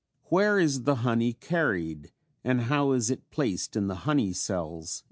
Where is the honey carried and how is it placed in the honey cells in the hive?